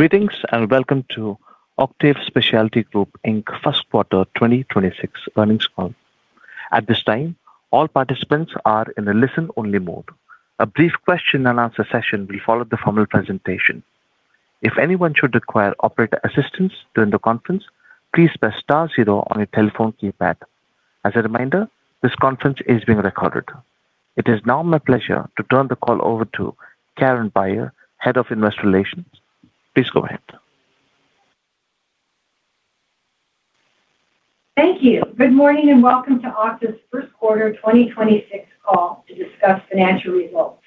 Greetings, and welcome to Octave Specialty Group, Inc. First Quarter 2026 Earnings Call. It is now my pleasure to turn the call over to Karen Beyer, Head of Investor Relations. Please go ahead. Thank you. Good morning, and welcome to Octave's first quarter 2026 call to discuss financial results.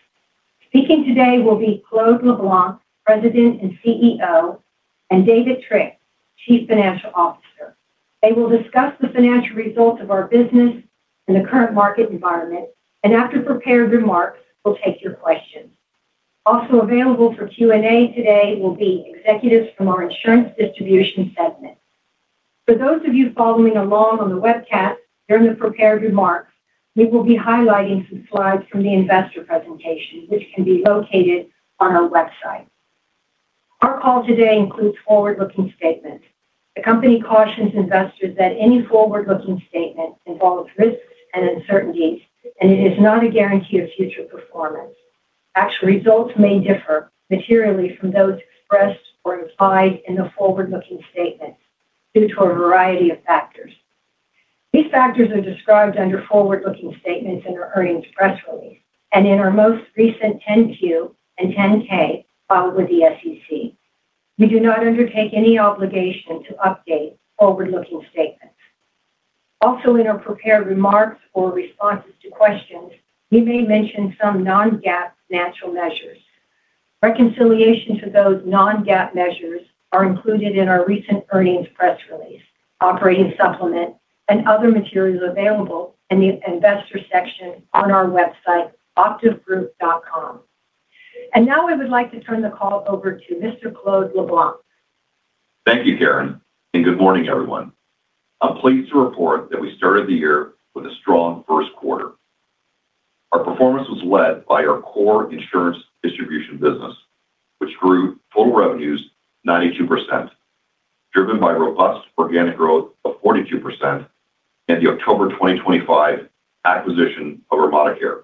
Speaking today will be Claude LeBlanc, President and CEO, and David Trick, Chief Financial Officer. They will discuss the financial results of our business in the current market environment, and after prepared remarks, we'll take your questions. Also available for Q&A today will be executives from our insurance distribution segment. For those of you following along on the webcast during the prepared remarks, we will be highlighting some slides from the investor presentation, which can be located on our website. Our call today includes forward-looking statements. The company cautions investors that any forward-looking statement involves risks and uncertainties, and it is not a guarantee of future performance. Actual results may differ materially from those expressed or implied in the forward-looking statements due to a variety of factors. These factors are described under forward-looking statements in our earnings press release and in our most recent Form 10-Q and Form 10-K filed with the SEC. We do not undertake any obligation to update forward-looking statements. Also in our prepared remarks or responses to questions, we may mention some non-GAAP financial measures. Reconciliation to those non-GAAP measures are included in our recent earnings press release, operating supplement and other materials available in the investor section on our website, octavegroup.com. Now I would like to turn the call over to Mr. Claude LeBlanc. Thank you, Karen, and good morning, everyone. I'm pleased to report that we started the year with a strong first quarter. Our performance was led by our core insurance distribution business, which grew total revenues 92%, driven by robust organic growth of 42% and the October 2025 acquisition of ArmadaCare.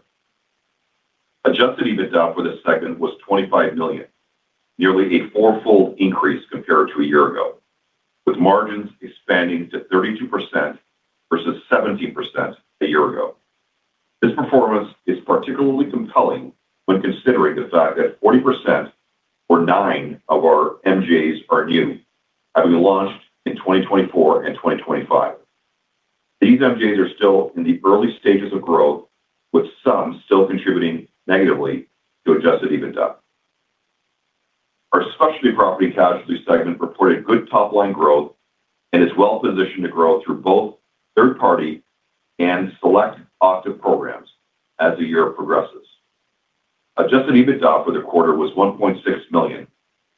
Adjusted EBITDA for this segment was $25 million, nearly a four-fold increase compared to a year ago, with margins expanding to 32% versus 17% a year ago. This performance is particularly compelling when considering the fact that 40% or nine of our MGAs are new, having launched in 2024 and 2025. These MGAs are still in the early stages of growth, with some still contributing negatively to adjusted EBITDA. Our specialty property casualty segment reported good top-line growth and is well positioned to grow through both third-party and select Octave programs as the year progresses. Adjusted EBITDA for the quarter was $1.6 million,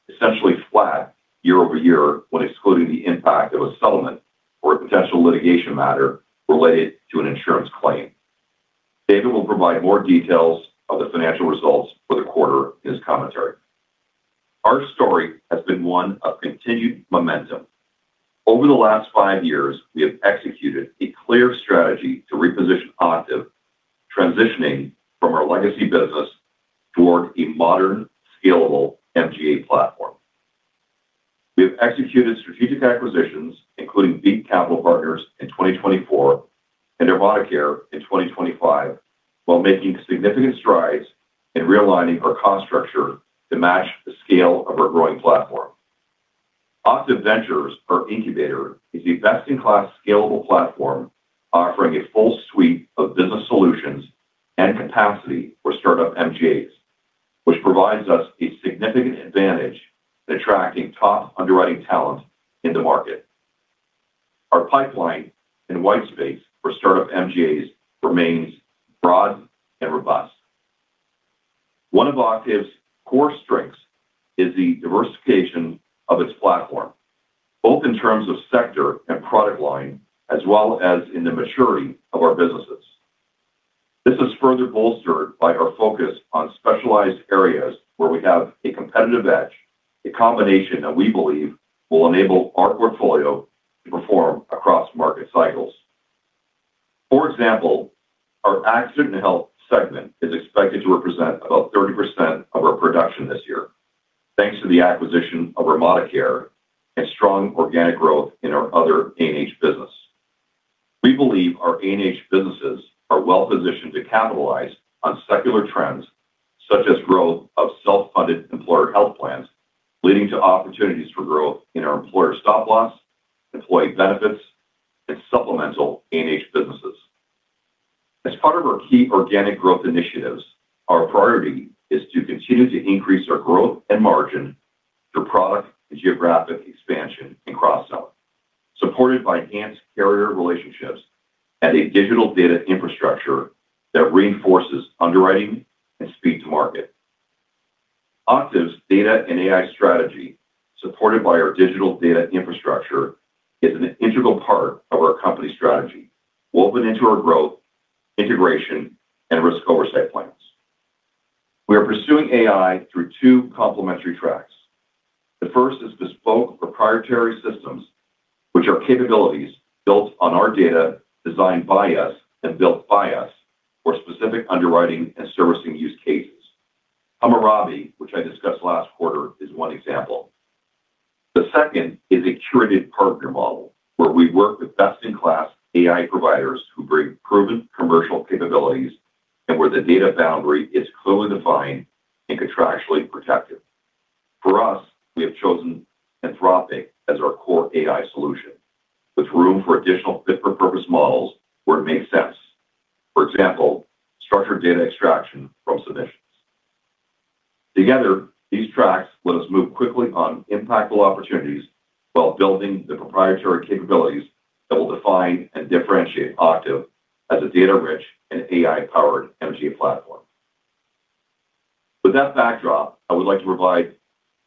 essentially flat year-over-year when excluding the impact of a settlement or a potential litigation matter related to an insurance claim. David will provide more details of the financial results for the quarter in his commentary. Our story has been one of continued momentum. Over the last five years, we have executed a clear strategy to reposition Octave, transitioning from our legacy business toward a modern, scalable MGA platform. We have executed strategic acquisitions, including Beat Capital Partners in 2024 and ArmadaCare in 2025, while making significant strides in realigning our cost structure to match the scale of our growing platform. Octave Ventures, our incubator, is a best-in-class scalable platform offering a full suite of business solutions and capacity for startup MGAs, which provides us a significant advantage in attracting top underwriting talent in the market. Our pipeline and white space for startup MGAs remains broad and robust. One of Octave's core strengths is the diversification of its platform, both in terms of sector and product line as well as in the maturity of our businesses. This is further bolstered by our focus on specialized areas where we have a competitive edge, a combination that we believe will enable our portfolio to perform across market cycles. For example, our Accident & Health segment is expected to represent about 30% of our production this year, thanks to the acquisition of ArmadaCare and strong organic growth in our other A&H business. We believe our A&H businesses are well positioned to capitalize on secular trends, such as growth of self-funded employer health plans, leading to opportunities for growth in our employer stop-loss, employee benefits, and supplemental A&H businesses. As part of our key organic growth initiatives, our priority is to continue to increase our growth and margin through product and geographic expansion and cross-sell, supported by enhanced carrier relationships and a digital data infrastructure that reinforces underwriting and speed to market. Octave's data and AI strategy, supported by our digital data infrastructure, is an integral part of our company strategy woven into our growth-Integration, and risk oversight plans. We are pursuing AI through two complementary tracks. The first is bespoke proprietary systems, which are capabilities built on our data, designed by us, and built by us for specific underwriting and servicing use cases. ArmadaCare, which I discussed last quarter, is one example. The second is a curated partner model, where we work with best-in-class AI providers who bring proven commercial capabilities and where the data boundary is clearly defined and contractually protected. For us, we have chosen Anthropic as our core AI solution, with room for additional fit-for-purpose models where it makes sense. For example, structured data extraction from submissions. Together, these tracks let us move quickly on impactful opportunities while building the proprietary capabilities that will define and differentiate Octave as a data-rich and AI-powered MGA platform. With that backdrop, I would like to provide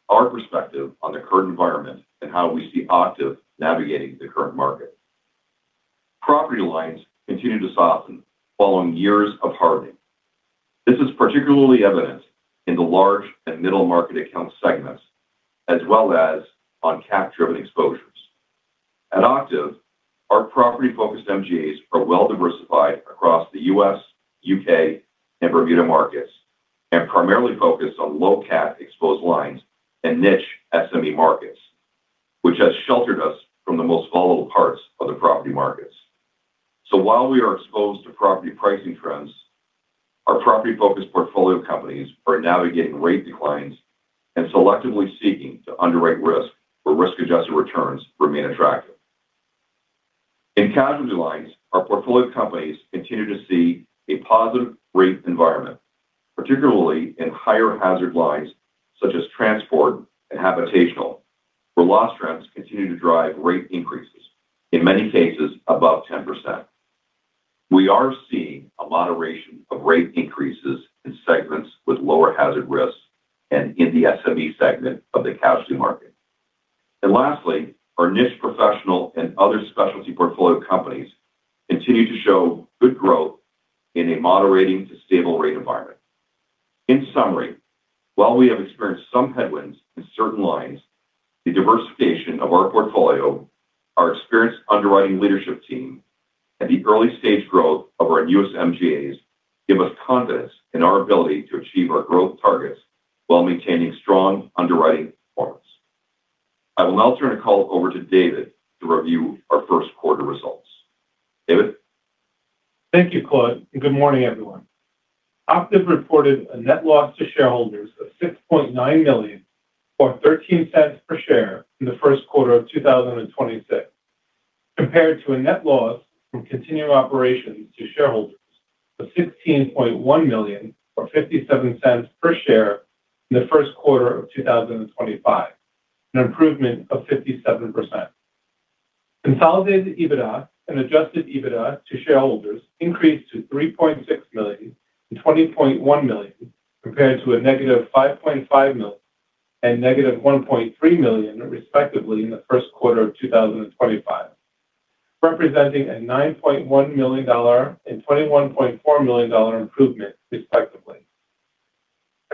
our perspective on the current environment and how we see Octave navigating the current market. Property lines continue to soften following years of hardening. This is particularly evident in the large and middle market account segments, as well as on CAT-driven exposures. At Octave, our property-focused MGAs are well-diversified across the U.S., U.K., and Bermuda markets and primarily focused on low-CAT exposed lines and niche SME markets, which has sheltered us from the most volatile parts of the property markets. While we are exposed to property pricing trends, our property-focused portfolio companies are navigating rate declines and selectively seeking to underwrite risk where risk-adjusted returns remain attractive. In casualty lines, our portfolio companies continue to see a positive rate environment, particularly in higher hazard lines, such as transport and habitational, where loss trends continue to drive rate increases, in many cases above 10%. We are seeing a moderation of rate increases in segments with lower hazard risks and in the SME segment of the casualty market. Lastly, our niche professional and other specialty portfolio companies continue to show good growth in a moderating to stable rate environment. In summary, while we have experienced some headwinds in certain lines, the diversification of our portfolio, our experienced underwriting leadership team, and the early-stage growth of our newest MGAs give us confidence in our ability to achieve our growth targets while maintaining strong underwriting performance. I will now turn the call over to David to review our first quarter results. David? Thank you, Claude. Good morning, everyone. Octave reported a net loss to shareholders of $6.9 million or $0.13 per share in the first quarter of 2026, compared to a net loss from continuing operations to shareholders of $16.1 million or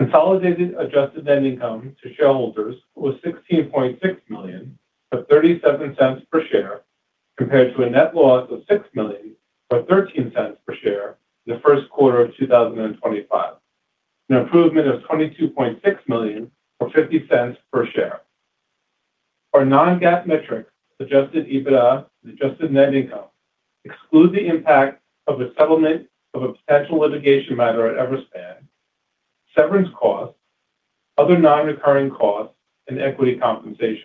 per share in the first quarter of 2025, an improvement of 57%. Consolidated EBITDA and adjusted EBITDA to shareholders increased to $3.6 million and $20.1 million, compared to a -$5.5 million and -$1.3 million, respectively, in the first quarter of 2025, representing a $9.1 million and $21.4 million improvement, respectively. Consolidated adjusted net income to shareholders was $16.6 million, or $0.37 per share, compared to a net loss of $6 million or $0.13 per share in the first quarter of 2025, an improvement of $22.6 million or $0.50 per share. Our non-GAAP metrics, adjusted EBITDA and adjusted net income, exclude the impact of a settlement of a potential litigation matter at Everspan, severance costs, other non-recurring costs, and equity compensation.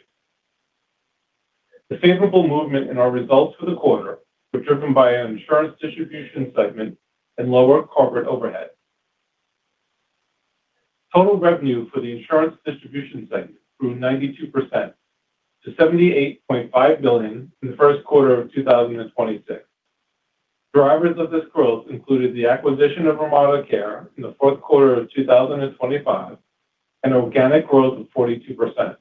The favorable movement in our results for the quarter were driven by an insurance distribution segment and lower corporate overhead. Total revenue for the insurance distribution segment grew 92% to $78.5 million in the first quarter of 2026. Drivers of this growth included the acquisition of ArmadaCare in the fourth quarter of 2025 and organic growth of 42%.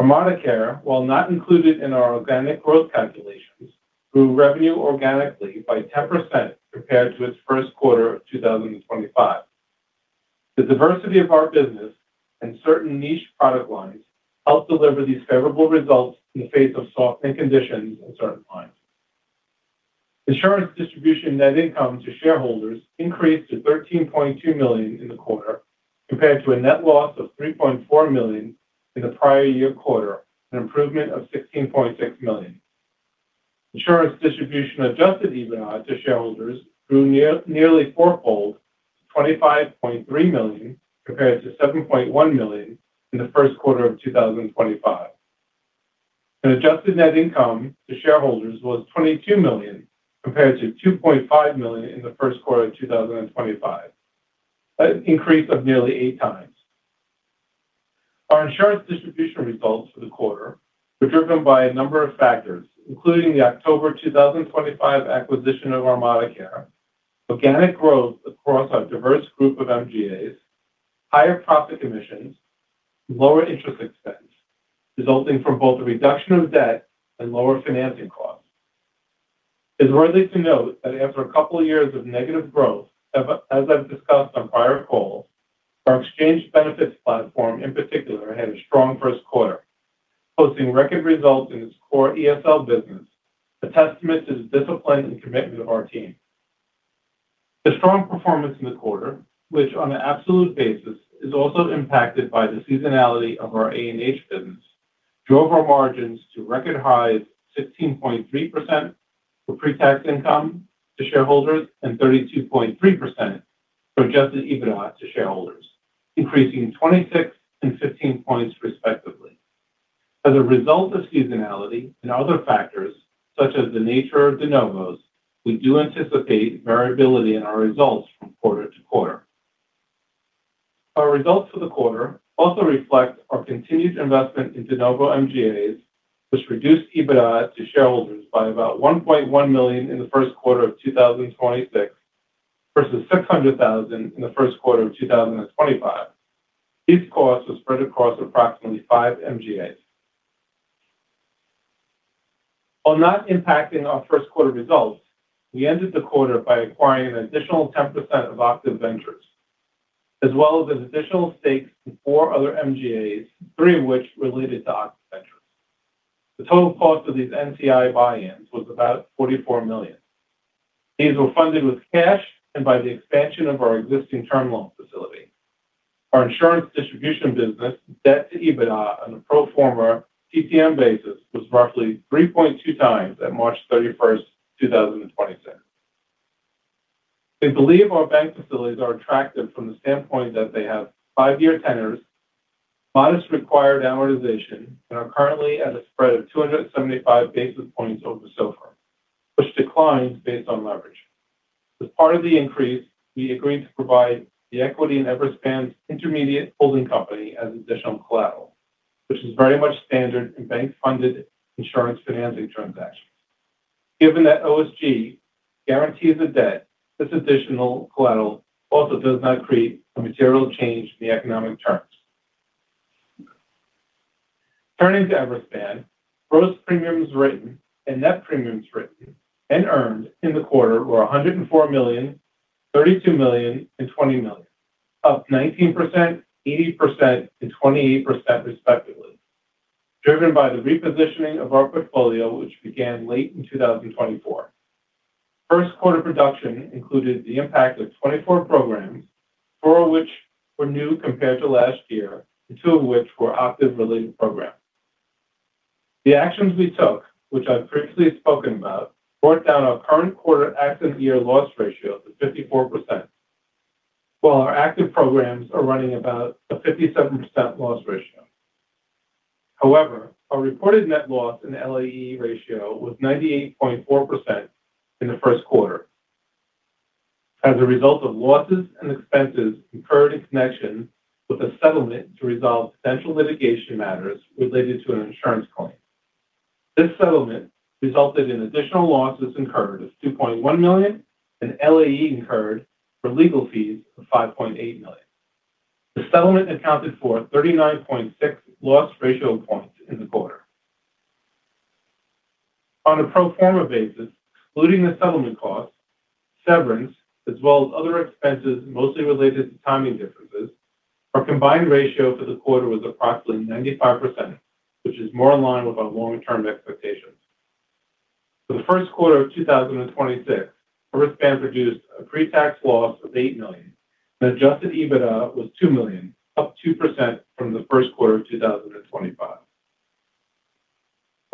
ArmadaCare, while not included in our organic growth calculations, grew revenue organically by 10% compared to its first quarter of 2025. The diversity of our business and certain niche product lines helped deliver these favorable results in the face of softening conditions in certain lines. Insurance distribution net income to shareholders increased to $13.2 million in the quarter, compared to a net loss of $3.4 million in the prior year quarter, an improvement of $16.6 million. Insurance distribution adjusted EBITDA to shareholders grew nearly four-fold to $25.3 million, compared to $7.1 million in the first quarter of 2025. Adjusted net income to shareholders was $22 million, compared to $2.5 million in the first quarter of 2025. That is an increase of nearly eight times. Our insurance distribution results for the quarter were driven by a number of factors, including the October 2025 acquisition of ArmadaCare, organic growth across our diverse group of MGAs, higher profit commissions, lower interest expense, resulting from both a reduction of debt and lower financing costs. It's worthy to note that after a couple of years of negative growth, as I've discussed on prior calls, our exchange benefits platform in particular had a strong first quarter, posting record results in its core ESL business, a testament to the discipline and commitment of our team. The strong performance in the quarter, which on an absolute basis is also impacted by the seasonality of our A&H business, drove our margins to record highs 16.3% for pre-tax income to shareholders and 32.3% for adjusted EBITDA to shareholders, increasing 26 and 15 points respectively. As a result of seasonality and other factors such as the nature of de novos, we do anticipate variability in our results from quarter to quarter. Our results for the quarter also reflect our continued investment in de novo MGAs, which reduced EBITDA to shareholders by about $1.1 million in the first quarter of 2026 versus $600,000 in the first quarter of 2025. These costs were spread across approximately five MGAs. While not impacting our first quarter results, we ended the quarter by acquiring an additional 10% of Octave Ventures, as well as additional stakes to four other MGAs, three of which related to Octave Ventures. The total cost of these NCI buy-ins was about $44 million. These were funded with cash and by the expansion of our existing term loan facility. Our insurance distribution business debt to EBITDA on a pro forma TTM basis was roughly 3.2 times at March 31, 2026. We believe our bank facilities are attractive from the standpoint that they have five-year tenors, modest required amortization, and are currently at a spread of 275 basis points over SOFR, which declines based on leverage. As part of the increase, we agreed to provide the equity in Everspan's intermediate holding company as additional collateral, which is very much standard in bank-funded insurance financing transactions. Given that OSG guarantees the debt, this additional collateral also does not create a material change in the economic terms. Turning to Everspan, gross premiums written and net premiums written and earned in the quarter were $104 million, $32 million, and $20 million, up 19%, 80%, and 28% respectively, driven by the repositioning of our portfolio, which began late in 2024. First quarter production included the impact of 24 programs, four of which were new compared to last year and two of which were Octave-related programs. The actions we took, which I've previously spoken about, brought down our current quarter accident year loss ratio to 54%, while our active programs are running about a 57% loss ratio. Our reported net loss and LAE ratio was 98.4% in the first quarter. As a result of losses and expenses incurred in connection with a settlement to resolve potential litigation matters related to an insurance claim. This settlement resulted in additional losses incurred of $2.1 million and LAE incurred for legal fees of $5.8 million. The settlement accounted for 39.6 loss ratio points in the quarter. On a pro forma basis, including the settlement costs, severance, as well as other expenses mostly related to timing differences, our combined ratio for the quarter was approximately 95%, which is more in line with our long-term expectations. For the first quarter of 2026, Everspan produced a pre-tax loss of $8 million and adjusted EBITDA was $2 million, up 2% from the first quarter of 2025.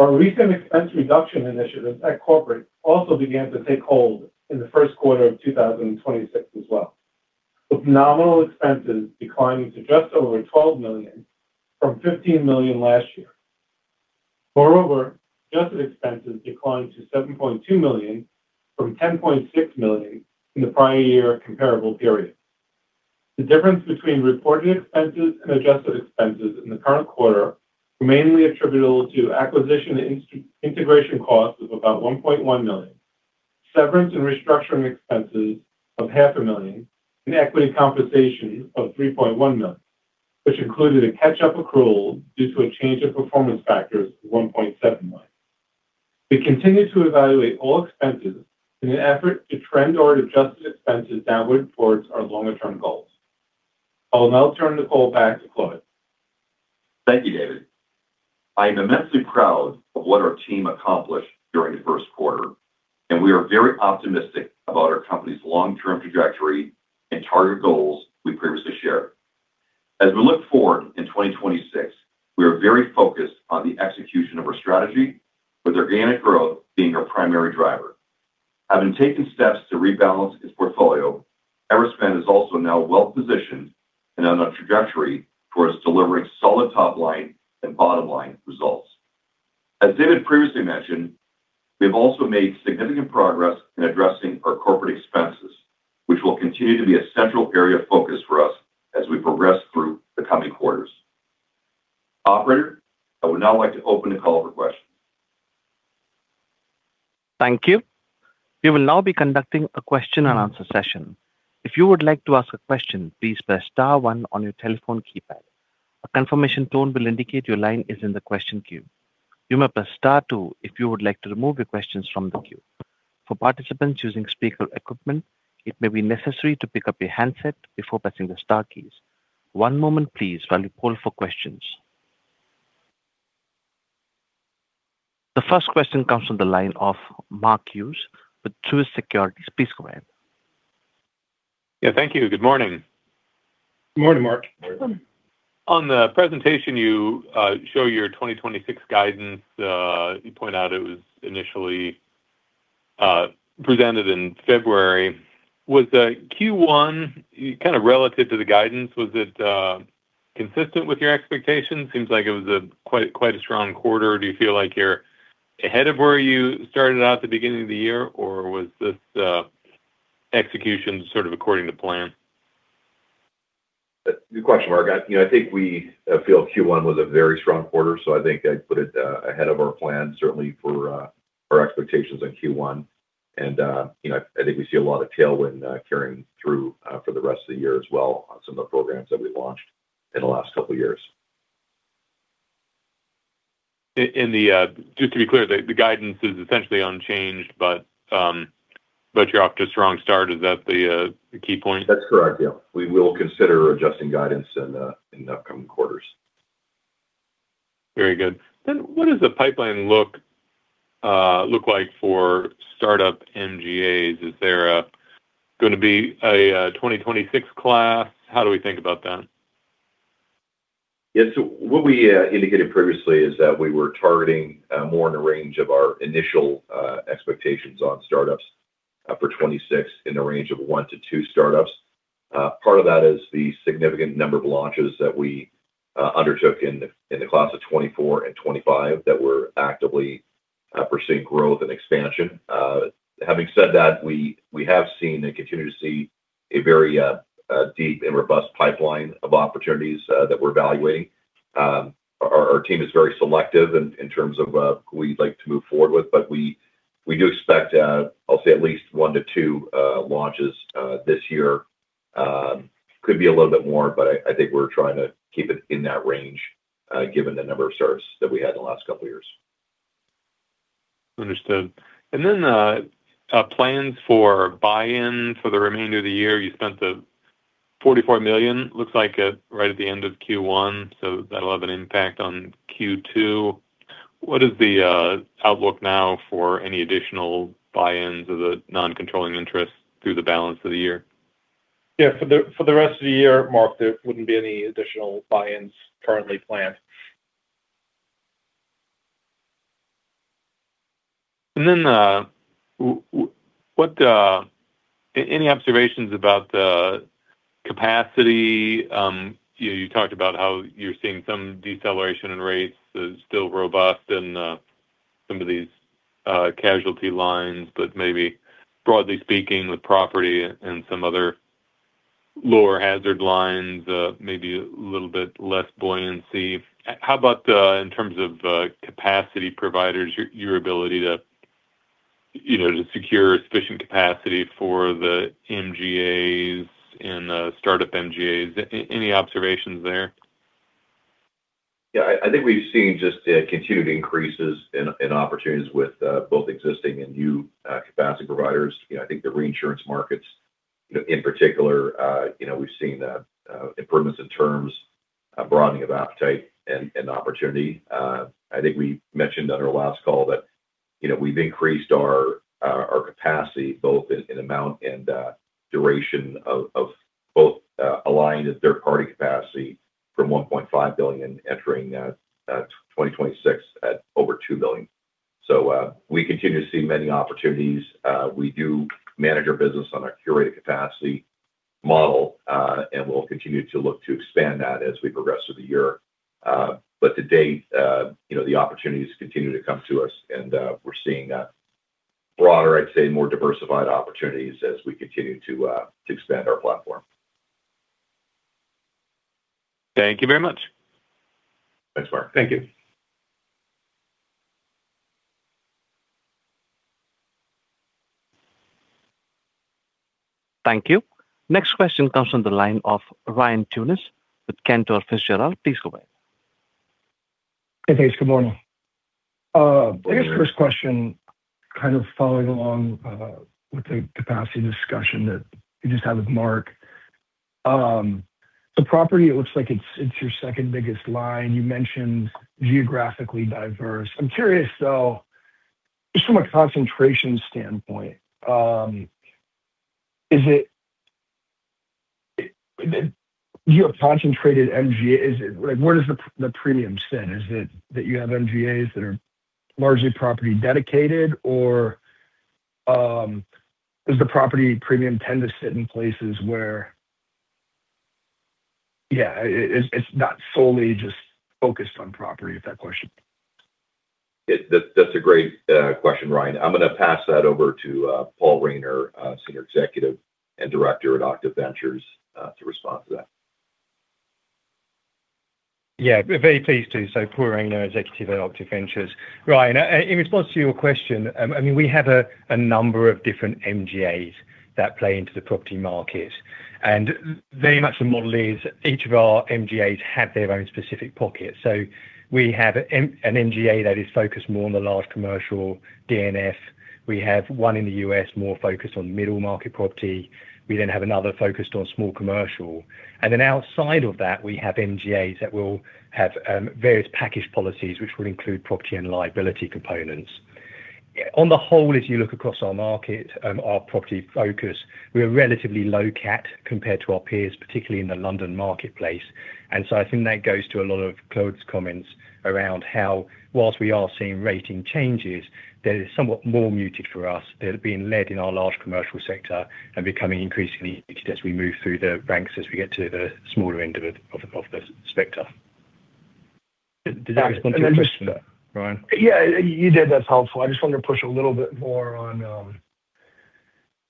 Our recent expense reduction initiatives at corporate also began to take hold in the first quarter of 2026 as well, with nominal expenses declining to just over $12 million from $15 million last year. Moreover, adjusted expenses declined to $7.2 million from $10.6 million in the prior year comparable period. The difference between reported expenses and adjusted expenses in the current quarter were mainly attributable to acquisition and integration costs of about $1.1 million, severance and restructuring expenses of half a million, and equity compensation of $3.1 million, which included a catch-up accrual due to a change in performance factors of $1.7 million. We continue to evaluate all expenses in an effort to trend our adjusted expenses downward towards our longer-term goals. I will now turn the call back to Claude. Thank you, David. I am immensely proud of what our team accomplished during the first quarter, and we are very optimistic about our company's long-term trajectory and target goals we previously shared. As we look forward in 2026, we are very focused on the execution of our strategy with organic growth being our primary driver. Having taken steps to rebalance its portfolio, Everspan is also now well-positioned and on a trajectory towards delivering solid top-line and bottom-line results. As David previously mentioned, we've also made significant progress in addressing our corporate expenses, which will continue to be a central area of focus for us as we progress through the coming quarters. Operator, I would now like to open the call for questions. Thank you. The first question comes from the line of Mark Hughes with Truist Securities. Please go ahead. Yeah, thank you. Good morning. Good morning, Mark. On the presentation, you show your 2026 guidance. You point out it was initially presented in February. Was Q1, kind of relative to the guidance, was it consistent with your expectations? Seems like it was a quite strong quarter. Do you feel like you're ahead of where you started out at the beginning of the year? Or was this execution sort of according to plan? Good question, Mark. You know, I think we feel Q1 was a very strong quarter. I think I'd put it ahead of our plan, certainly for our expectations on Q1. You know, I think we see a lot of tailwind carrying through for the rest of the year as well on some of the programs that we've launched in the last couple of years. Just to be clear, the guidance is essentially unchanged, but you're off to a strong start. Is that the key point? That's correct, yeah. We will consider adjusting guidance in the upcoming quarters. Very good. What does the pipeline look like for startup MGAs? Is there going to be a 2026 class? How do we think about that? Yeah. What we indicated previously is that we were targeting more in the range of our initial expectations on startups for 2026 in the range of one to two startups. Part of that is the significant number of launches that we undertook in the class of 2024 and 2025 that we're actively pursuing growth and expansion. Having said that, we have seen and continue to see a very deep and robust pipeline of opportunities that we're evaluating. Our team is very selective in terms of who we'd like to move forward with, but we do expect I'll say at least one to two launches this year. Could be a little bit more, but I think we're trying to keep it in that range, given the number of starts that we had in the last couple of years. Understood. Plans for buy-in for the remainder of the year. You spent the $44 million, looks like, right at the end of Q1, so that'll have an impact on Q2. What is the outlook now for any additional buy-ins of the non-controlling interest through the balance of the year? Yeah. For the rest of the year, Mark, there wouldn't be any additional buy-ins currently planned. What any observations about the capacity? You talked about how you're seeing some deceleration in rates as still robust in some of these casualty lines, but maybe broadly speaking with property and some other lower hazard lines, maybe a little bit less buoyancy. How about in terms of capacity providers, your ability to, you know, to secure sufficient capacity for the MGAs and the startup MGAs? Any observations there? Yeah. I think we've seen just continued increases in opportunities with both existing and new capacity providers. You know, I think the reinsurance markets, you know, in particular, you know, we've seen improvements in terms, broadening of appetite and opportunity. I think we mentioned on our last call that, you know, we've increased our capacity both in amount and duration of both aligned as third party capacity from $1.5 billion entering 2026 at over $2 billion. We continue to see many opportunities. We do manage our business on a curated capacity model, and we'll continue to look to expand that as we progress through the year. To date, you know, the opportunities continue to come to us and we're seeing broader, I'd say, more diversified opportunities as we continue to expand our platform. Thank you very much. Thanks, Mark. Thank you. Thank you. Next question comes from the line of Ryan Tunis with Cantor Fitzgerald. Please go ahead. Hey, thanks. Good morning. Good morning. I guess first question kind of following along with the capacity discussion that you just had with Mark. Property, it looks like it's your second biggest line. You mentioned geographically diverse. I'm curious though, just from a concentration standpoint, is it Do you have concentrated MGAs? Like, where does the premium sit? Is it that you have MGAs that are largely property dedicated? Or does the property premium tend to sit in places where Yeah, it's not solely just focused on property, is that question? That's a great question, Ryan. I'm gonna pass that over to Paul Rayner, Senior Executive and Director at Octave Ventures, to respond to that. Yeah, we're very pleased too. Paul Rayner, executive at Octave Ventures. Right. In response to your question, we have a number of different MGAs that play into the property market. Very much the model is each of our MGAs have their own specific pocket. We have an MGA that is focused more on the large commercial D&F. We have one in the U.S. more focused on middle market property. We have another focused on small commercial. Outside of that, we have MGAs that will have various package policies, which will include property and liability components. On the whole, as you look across our market, our property focus, we are relatively low CAT compared to our peers, particularly in the London marketplace. I think that goes to a lot of Claude's comments around how whilst we are seeing rating changes, that is somewhat more muted for us. They're being led in our large commercial sector and becoming increasingly mixed as we move through the ranks as we get to the smaller end of it, of the sector. Did that answer your question, Ryan? Yeah, you did. That's helpful. I just wanted to push a little bit more on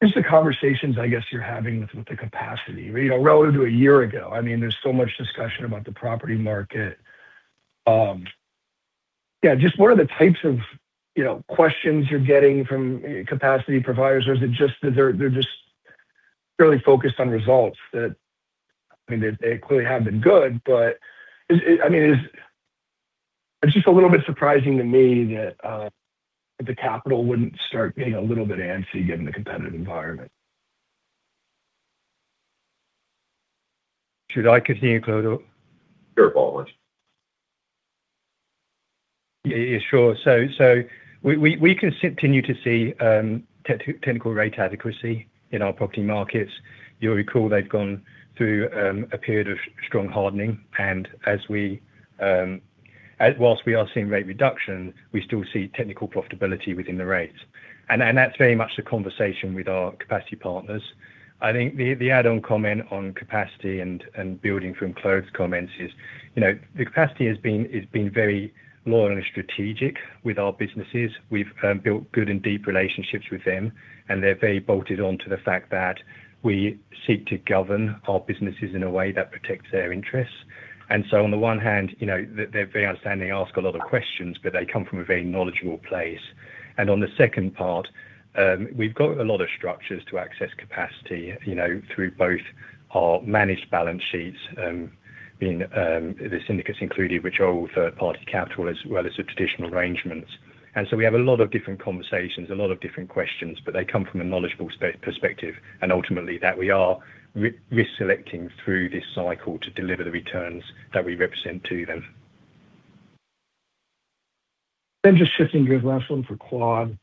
just the conversations, I guess, you're having with the capacity. You know, relative to one year ago, I mean, there's so much discussion about the property market. Yeah, just what are the types of, you know, questions you're getting from capacity providers? Is it just that they're just really focused on results that I mean, they clearly have been good, but is it It's just a little bit surprising to me that the capital wouldn't start getting a little bit antsy given the competitive environment. Should I continue, Claude, or? Sure, Paul, yes. Yeah, sure. So we continue to see technical rate adequacy in our property markets. You'll recall they've gone through a period of strong hardening, as we, whilst we are seeing rate reduction, we still see technical profitability within the rates. That's very much the conversation with our capacity partners. I think the add-on comment on capacity and building from Claude's comments is, you know, the capacity has been, it's been very loyal and strategic with our businesses. We've built good and deep relationships with them. They're very bolted on to the fact that we seek to govern our businesses in a way that protects their interests. On the one hand, you know, they're very understanding, ask a lot of questions, but they come from a very knowledgeable place. On the second part, we've got a lot of structures to access capacity, you know, through both our managed balance sheets, being the syndicates included, which are all third-party capital, as well as the traditional arrangements. We have a lot of different conversations, a lot of different questions, but they come from a knowledgeable perspective, and ultimately that we are risk-selecting through this cycle to deliver the returns that we represent to them. Just shifting gears, last one for Claude.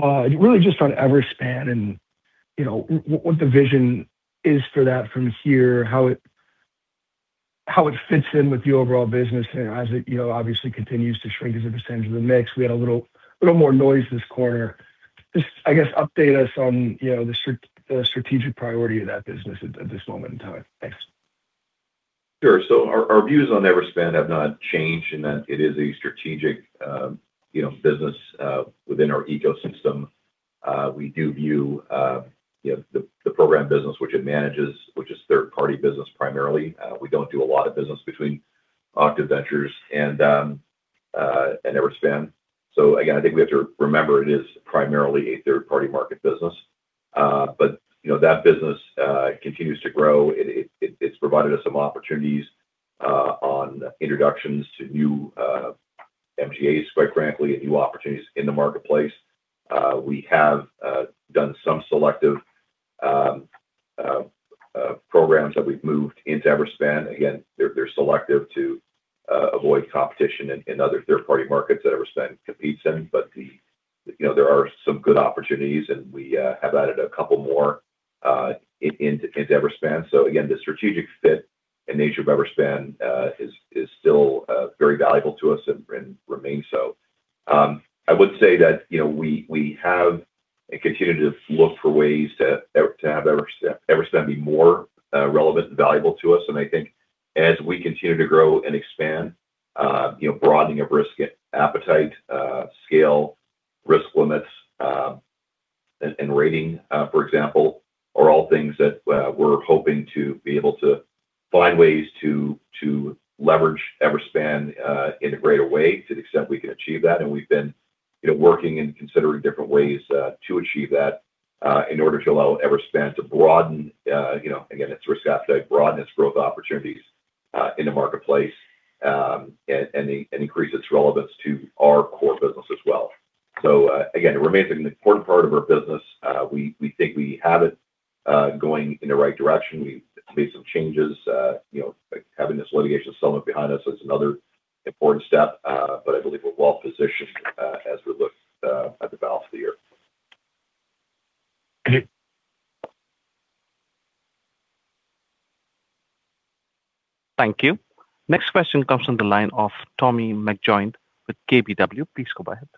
Really just on Everspan and, you know, what the vision is for that from here, how it, how it fits in with the overall business as it, you know, obviously continues to shrink as a percentage of the mix. We had a little more noise this quarter. Just, I guess, update us on, you know, the strategic priority of that business at this moment in time. Thanks. Sure. Our views on Everspan have not changed in that it is a strategic, you know, business within our ecosystem. We do view, you know, the program business which it manages, which is third-party business primarily. We don't do a lot of business between Octave Ventures and Everspan. Again, I think we have to remember it is primarily a third-party market business. You know, that business continues to grow. It's provided us some opportunities on introductions to new MGAs, quite frankly, and new opportunities in the marketplace. We have done some selective programs that we've moved into Everspan. Again, they're selective to avoid competition in other third-party markets that Everspan competes in. The you know, there are some good opportunities, and we have added a couple more into Everspan. Again, the strategic fit and nature of Everspan is still very valuable to us and remains so. I would say that, you know, we have and continue to look for ways to have Everspan be more relevant and valuable to us. I think as we continue to grow and expand, you know, broadening of risk appetite, scale, risk limits, and rating, for example, are all things that we're hoping to be able to find ways to leverage Everspan in a greater way to the extent we can achieve that. We've been, you know, working and considering different ways to achieve that in order to allow Everspan to broaden, you know, again, its risk appetite, broaden its growth opportunities in the marketplace, and increase its relevance to our core business as well. Again, it remains an important part of our business. We think we have it going in the right direction. We've made some changes, you know, having this litigation settlement behind us is another important step. I believe we're well-positioned as we look at the balance of the year. Thank you. Thank you. Next question comes from the line of Tommy McJoynt with KBW. Please go ahead.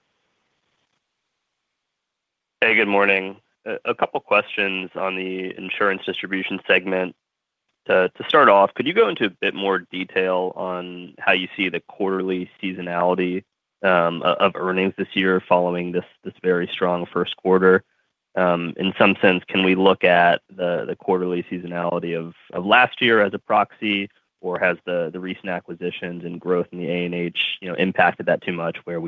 Hey, good morning. A couple questions on the insurance distribution segment. To start off, could you go into a bit more detail on how you see the quarterly seasonality of earnings this year following this very strong 1st quarter? In some sense, can we look at the quarterly seasonality of last year as a proxy, or has the recent acquisitions and growth in the A&H, you know, impacted that too much where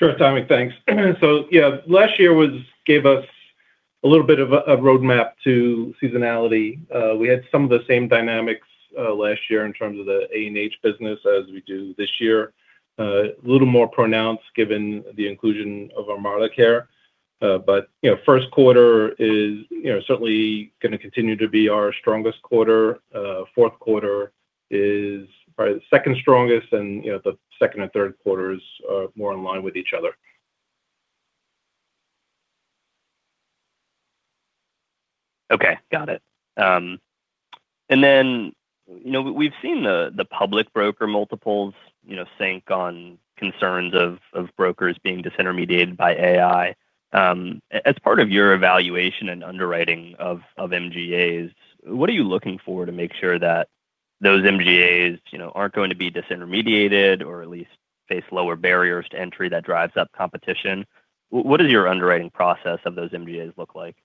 we can't really look to the past to think about seasonality? Thanks. Sure, Tommy. Thanks. Yeah, last year was gave us a little bit of a roadmap to seasonality. We had some of the same dynamics last year in terms of the A&H business as we do this year. A little more pronounced given the inclusion of ArmadaCare. First quarter is, you know, certainly gonna continue to be our strongest quarter. Fourth quarter is probably the second strongest and, you know, the second and third quarters are more in line with each other. Okay. Got it. Then, you know, we've seen the public broker multiples, you know, sink on concerns of brokers being disintermediated by AI. As part of your evaluation and underwriting of MGAs, what are you looking for to make sure that those MGAs, you know, aren't going to be disintermediated or at least face lower barriers to entry that drives up competition? What does your underwriting process of those MGAs look like?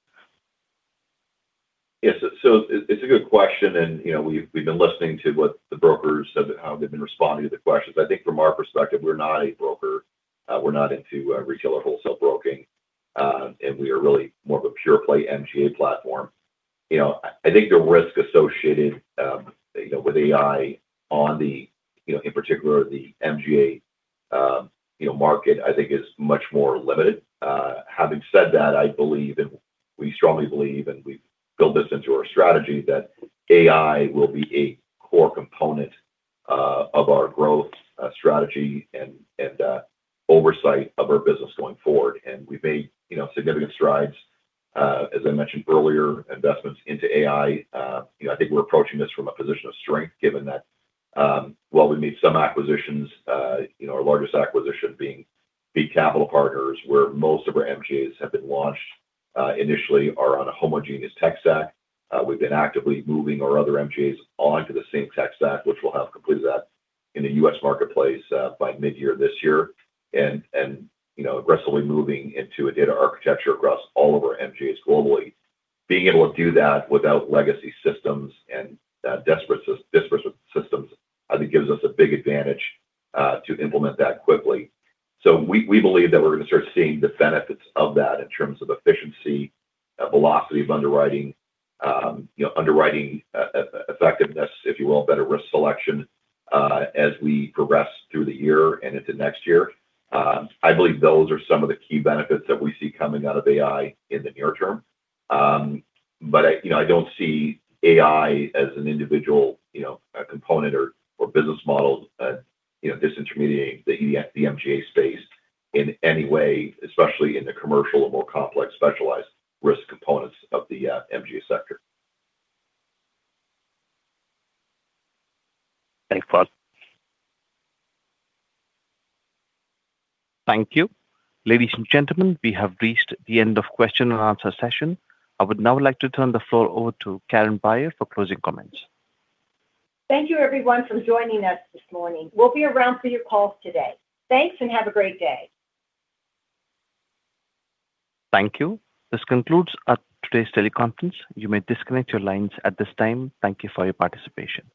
Yes. It's a good question, you know, we've been listening to what the brokers have, how they've been responding to the questions. I think from our perspective, we're not a broker. We're not into retail or wholesale broking, and we are really more of a pure play MGA platform. You know, I think the risk associated, you know, with AI on the, you know, in particular the MGA, you know, market, I think is much more limited. Having said that, I believe and we strongly believe, we've built this into our strategy, that AI will be a core component of our growth strategy and oversight of our business going forward. We've made, you know, significant strides, as I mentioned earlier, investments into AI. You know, I think we're approaching this from a position of strength given that, while we made some acquisitions, you know, our largest acquisition being Beat Capital Partners, where most of our MGAs have been launched, initially are on a homogeneous tech stack. We've been actively moving our other MGAs onto the same tech stack, which we'll have completed that in the U.S. marketplace by mid-year this year. You know, aggressively moving into a data architecture across all of our MGAs globally. Being able to do that without legacy systems and disparate systems, I think gives us a big advantage to implement that quickly. We believe that we're gonna start seeing the benefits of that in terms of efficiency, velocity of underwriting, you know, underwriting effectiveness, if you will, better risk selection, as we progress through the year and into next year. I believe those are some of the key benefits that we see coming out of AI in the near term. But I, you know, I don't see AI as an individual, you know, component or business model, you know, disintermediating the MGA space in any way, especially in the commercial or more complex specialized risk components of the MGA sector. Thanks, Claude. Thank you. Ladies and gentlemen, we have reached the end of question and answer session. I would now like to turn the floor over to Karen Beyer for closing comments. Thank you everyone for joining us this morning. We'll be around for your calls today. Thanks, and have a great day. Thank you. This concludes today's teleconference. You may disconnect your lines at this time. Thank you for your participation.